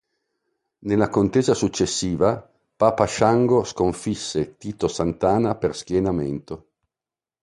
Nella contesa successiva, Papa Shango sconfisse Tito Santana per schienamento.